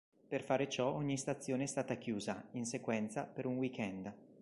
Per fare ciò ogni stazione è stata chiusa, in sequenza, per un weekend.